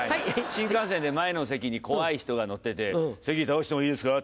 新幹線で前の席に怖い人が乗ってて席倒してもいいですか？